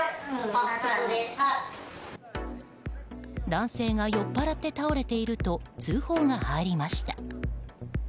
男性が酔っ払って倒れていると通報が入りました。